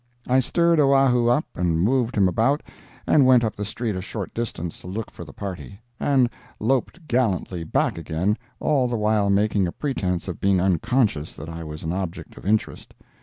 I stirred Oahu up and moved him about, and went up the street a short distance to look for the party, and "loped" gallantly back again, all the while making a pretense of being unconscious that I was an object of interest.